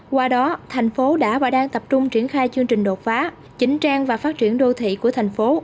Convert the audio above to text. qua đó thành phố đã và đang tập trung triển khai chương trình đột phá chỉnh trang và phát triển đô thị của thành phố